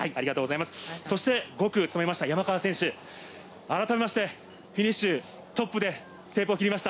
そして５区・山川選手、改めましてフィニッシュ、トップでテープを切りました。